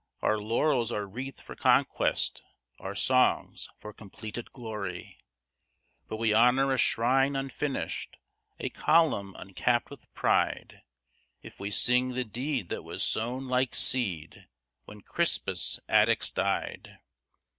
Our laurels are wreathed for conquest, our songs for completed glory. But we honor a shrine unfinished, a column uncapped with pride, If we sing the deed that was sown like seed when Crispus Attucks died.